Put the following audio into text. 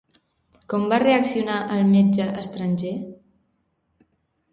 Com va reaccionar el metge estranger?